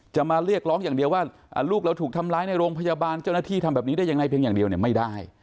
จะมาเรียกร้องอย่างเดียวว่าลูกเราถูกทำร้ายในโรงพยาบาลเจ้าหน้าที่ทำแบบนี้ได้ยังไงเพียงอย่างเดียวไม่ได้